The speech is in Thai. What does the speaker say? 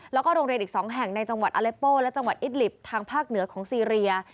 แล้วก็โรงเรียนอีก๒แห่งในจังหวัดอเลโป้และจังหวัดอิดลิปทางภาคเหนือของซีเรีย